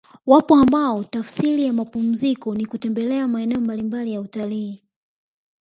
Wapo ambao tafsiri ya mapumziko ni kutembelea maeneo mbalimbali ya utalii